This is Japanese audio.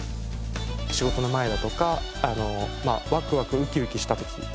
仕事の前だとかワクワクウキウキした時とかですね